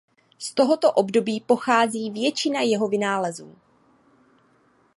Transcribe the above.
Z tohoto období pochází většina jeho vynálezů.